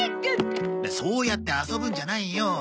そうやって遊ぶんじゃないよ。